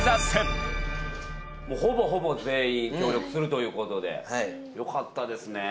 もうほぼほぼ全員協力するということでよかったですね。